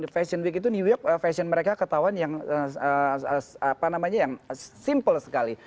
fashion week itu new york fashion mereka ketahuan yang apa namanya yang simple sekali